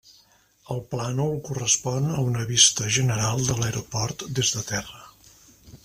El plànol correspon a una vista general de l'aeroport des de terra.